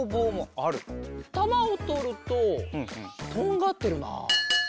たまをとるととんがってるな。